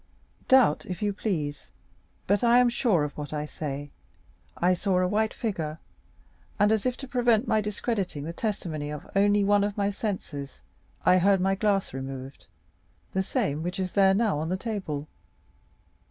30321m "Doubt, if you please, but I am sure of what I say. I saw a white figure, and as if to prevent my discrediting the testimony of only one of my senses, I heard my glass removed—the same which is there now on the table."